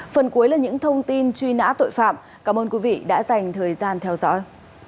phần cuối là những thông tin truy nã tội phạm cảm ơn quý vị đã dành thời gian theo dõi